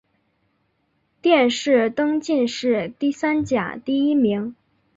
殿试登进士第三甲第一名。